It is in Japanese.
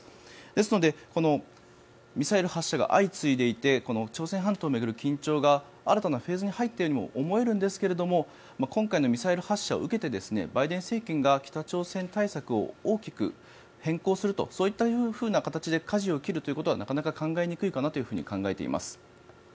ですのでミサイル発射が相次いでいてこの朝鮮半島を巡る対応が新たなフェーズに入ったと思うんですが今回のミサイル発射を受けてバイデン政権が北朝鮮対策を大きく変更するとそういった形でかじを切るということはなかなか考えにくいかなと考えています。